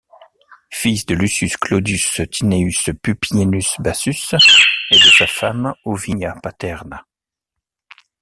Fils de Lucius Clodius Tineius Pupienus Bassus et de sa femme Ovinia Paterna.